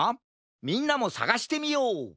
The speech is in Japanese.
みんなもさがしてみよう！